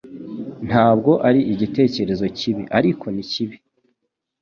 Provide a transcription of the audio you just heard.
Ntabwo ari igitekerezo kibi, ariko ni kibi.